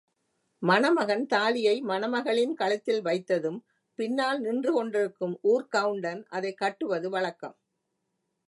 மணமகன் தாலியை மணமகளின் கழுத்தில் வைத்ததும், பின்னால் நின்று கொண்டிருக்கும் ஊர்க் கவுண்டன் அதைக் கட்டுவது வழக்கம்.